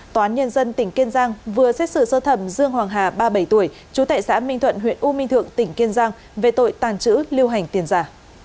tòa án nhân dân tỉnh kiên giang vừa xét xử sơ thẩm dương hoàng hà ba mươi bảy tuổi chú tệ xã minh thuận huyện u minh thượng tỉnh kiên giang về tội tàng trữ lưu hành tiền giả